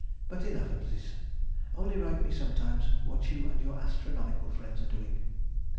But enough of this; only write me sometimes what you and your astronomical friends are doing.